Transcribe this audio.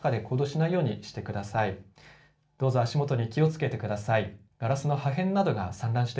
どうぞ足元に気をつけてください。